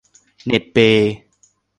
เน็ตเบย์